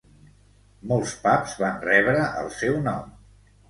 Molts pubs van rebre el seu nom.